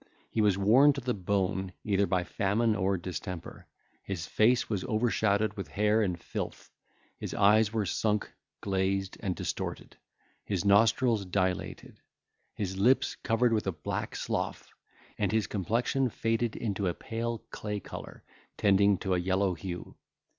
He was worn to the bone either by famine or distemper; his face was overshadowed with hair and filth; his eyes were sunk, glazed, and distorted; his nostrils dilated; his lips covered with a black slough; and his complexion faded into a pale clay colour, tending to a yellow hue.